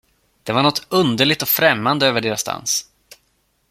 De var något underligt och främmande över deras dans.